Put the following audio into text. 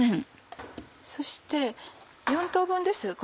そして４等分です